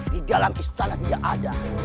di dalam istana tidak ada